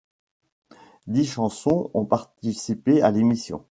Dix chansons ont participé à l'émission.